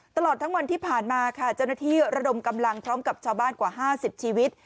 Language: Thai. ตลอดทั้งวันที่ผ่านมาค่ะเจ้าหน้าที่ระดมกำลังพร้อมกับชาวบ้านกว่า๕๐ชีวิต